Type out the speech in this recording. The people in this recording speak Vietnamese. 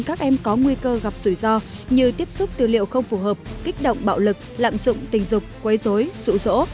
các em có nguy cơ gặp rủi ro như tiếp xúc tư liệu không phù hợp kích động bạo lực lạm dụng tình dục quấy dối rụ rỗ